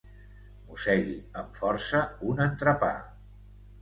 Mossegui amb força un entrepà.